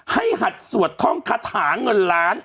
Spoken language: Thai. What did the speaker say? หัดสวดท่องคาถาเงินล้าน